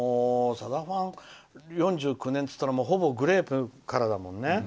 さだファン歴４９年っていったらほぼグレープからだもんね。